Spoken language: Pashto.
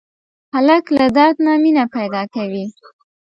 هلک له درد نه مینه پیدا کوي.